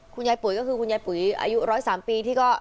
คุณยายปุ๋ยก็คือคุณยายปุ๋ยอายุ๑๐๓ปีที่ก็